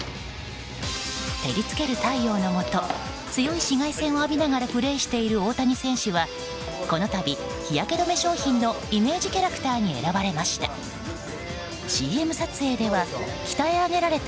照りつける太陽のもと強い紫外線を浴びながらプレーしている大谷選手はこの度、日焼け止め商品のイメージキャラクターに選ばれました。